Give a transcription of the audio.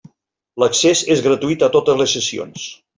L'accés és gratuït a totes les sessions.